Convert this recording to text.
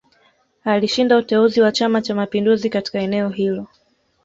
Alishinda uteuzi wa Chama Cha Mapinduzi katika eneo hilo